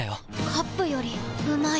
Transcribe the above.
カップよりうまい